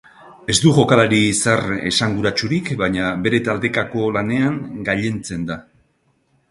Ez du jokalari izar esanguratsurik, baina bere taldekako lanean gailentzen da.